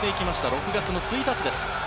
６月１日です。